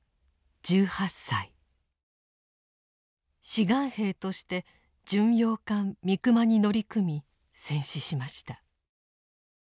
志願兵として巡洋艦「三隈」に乗り組み戦死しました。